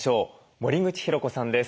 森口博子さんです。